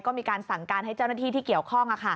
ก็มีการสั่งการให้เจ้าหน้าที่ที่เกี่ยวข้อง